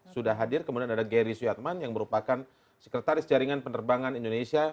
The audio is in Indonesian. sudah hadir kemudian ada gary suyatman yang merupakan sekretaris jaringan penerbangan indonesia